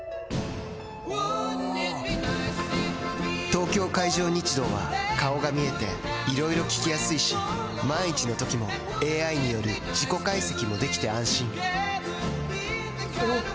東京海上日動は顔が見えていろいろ聞きやすいし万一のときもＡＩによる事故解析もできて安心おぉ！